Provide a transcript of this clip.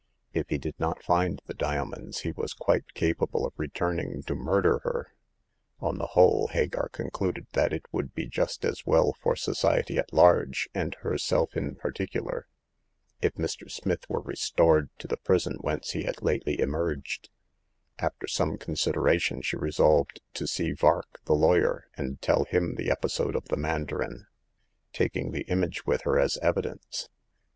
If he did not find the diamonds, he was quite capable of returning to murder her. On the whole, Hagar concluded that it would be just as well for society at large, and herself in particular, if Mr. Smith were restored to the prison whence he had lately emerged After some consideraf. The Seventh Customer. 191 tion she resolved to see Vaxk, the lawyer, and tell him the episode of the mandarin, taking the image with her as evidence.